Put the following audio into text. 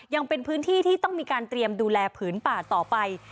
ยังเป็นพื้นที่ที่ต้องมีการเตรียมดูแลผืนป่าต่อไป